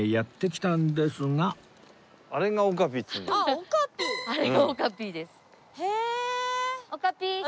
オカピー。